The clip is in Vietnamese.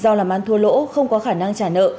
do làm ăn thua lỗ không có khả năng trả nợ